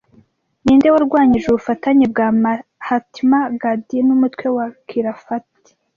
Ninde warwanyije ubufatanye bwa Mahatma Gandhi n'umutwe wa Khilafat